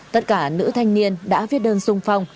tất cả nữ thanh niên đã viết đơn sung phong